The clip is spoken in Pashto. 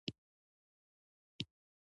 علم ټولنه له وروسته پاتې کېدو ژغوري.